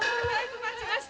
待ちました！